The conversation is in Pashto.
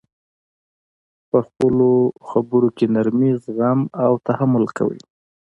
په خپلو خبر کي نرمي، زغم او تحمل کوئ!